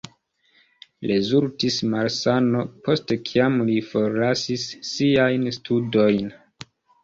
Rezultis malsano, post kiam li forlasis siajn studojn.